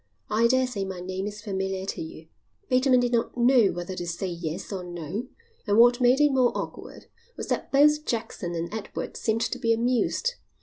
"I daresay my name is familiar to you." Bateman did not know whether to say yes or no, and what made it more awkward was that both Jackson and Edward seemed to be amused.